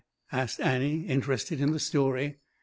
asked Annie, interested in the story.